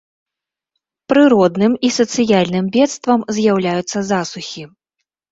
Прыродным і сацыяльным бедствам з'яўляюцца засухі.